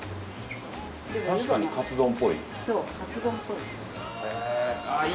確かにカツ丼ぽい。